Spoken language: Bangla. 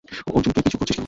অর্জুনকে পিছু করছিস কেন?